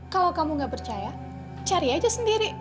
kalau kamu gak percaya cari aja sendiri